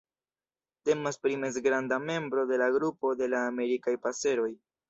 Temas pri mezgranda membro de la grupo de la Amerikaj paseroj.